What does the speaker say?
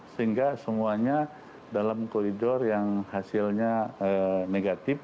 sehingga semuanya dalam koridor yang hasilnya negatif